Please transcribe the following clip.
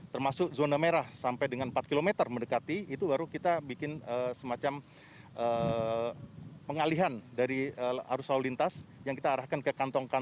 termasuk zona merah sampai dengan empat km mendekati itu baru kita bikin semacam pengalihan dari arus lalu lintas yang kita arahkan ke kantong kantong